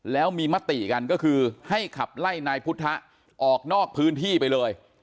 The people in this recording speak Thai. แล้วมีมติกันก็คือให้ขับไล่นายพุทธะออกนอกพื้นที่ไปเลย